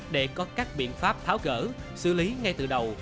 để có các biện pháp tháo gỡ xử lý ngay từ đầu